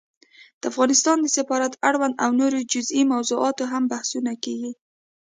د افغانستان د سفارت اړوند او نورو جزيي موضوعاتو هم بحثونه کېږي